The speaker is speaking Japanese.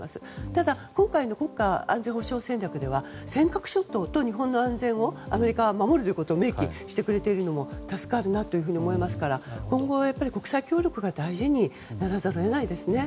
ただ今回の国家安全保障戦略では尖閣諸島と日本の安全をアメリカは守ると明記してくれているのも助かるなと思いますから今後は国際協力が大事にならざるを得ないですね。